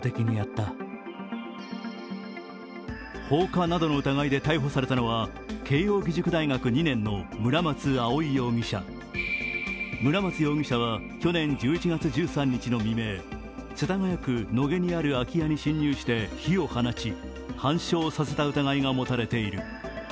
放火などの疑いで逮捕されたのは慶応義塾大学２年の村松葵容疑者村松容疑者は、去年１１月１３日の未明世田谷区野毛にある空き家に侵入して火を放ち半焼させた疑いが持たれている。